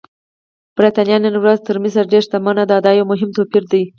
برېټانیا نن ورځ تر مصر ډېره شتمنه ده، دا یو مهم توپیر دی.